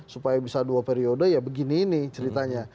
supaya bisa dua periode ya begini ini ceritanya